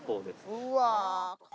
うわ